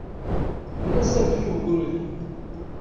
Mel-as amek i ugrud-a.